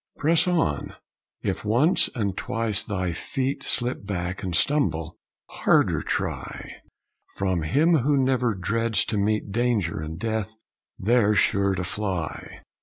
Press on! If once and twice thy feet Slip back and stumble, harder try; From him who never dreads to meet Danger and death they're sure to fly.